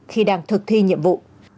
khi đang thực thi nhiệm vụ